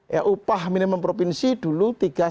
ya upah minimum provinsi dulu tiga satu